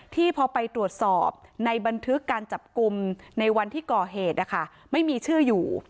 ที่พอไปตรวจสอบในบันทึกการจับกลุ่มในวันที่ก่อเหตุนะคะไม่มีชื่ออยู่